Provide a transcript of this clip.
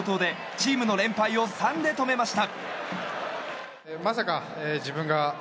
７回１失点の好投でチームの連敗を３で止めました。